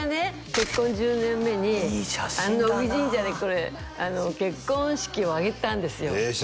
結婚１０年目に乃木神社でこれ結婚式を挙げたんですよええ